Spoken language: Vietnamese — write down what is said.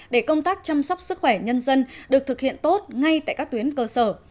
để công tác chăm sóc sức khỏe nhân dân được thực hiện tốt ngay tại các tuyến cơ sở